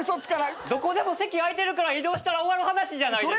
どこでも席空いてるから移動したら終わる話じゃないですか。